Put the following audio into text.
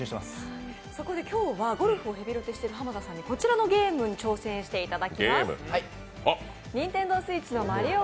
今日はゴルフをヘビロテしている濱田さんにこちらのゲームに挑戦していただきます。